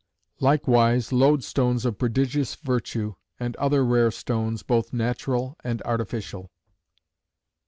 Likewise loadstones of prodigious virtue; and other rare stones, both natural and artificial.